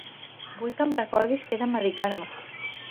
Vull que em recordis que he de medicar-me.